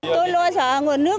tôi luôn sợ nguồn nước